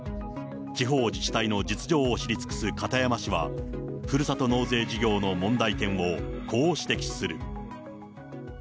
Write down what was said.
地方自治体の実情を知り尽くす片山氏は、ふるさと納税事業の問題点をこう指摘する。